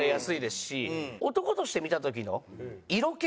男として見た時の色気？